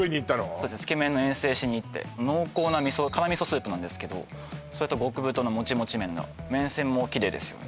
そうですねつけ麺の遠征しにいって濃厚な辛味噌スープなんですけどそれと極太のモチモチ麺の麺線もきれいですよね